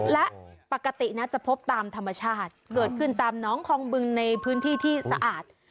และปกตินะจะพบตามธรรมชาติเกิดขึ้นตามน้องคองบึงในพื้นที่ที่สะอาด